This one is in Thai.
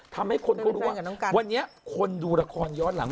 ทำให้คนเขารู้ว่าวันนี้คนดูละครย้อนหลัง